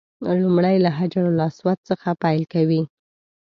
لومړی له حجر اسود څخه پیل کوي.